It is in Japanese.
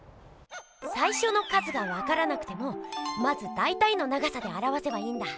さいしょの数がわからなくてもまずだいたいの長さであらわせばいいんだ。